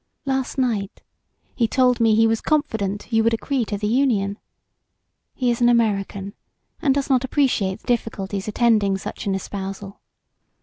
Last night he told me he was confident you would agree to the union. He is an American, and does not appreciate the difficulties attending such an espousal.